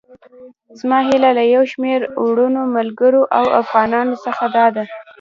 زما هيله له يو شمېر وروڼو، ملګرو او افغانانو څخه داده.